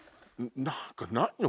何かないの？